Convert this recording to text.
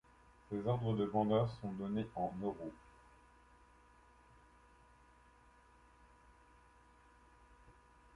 Ces ordres de grandeur sont donnés en euros.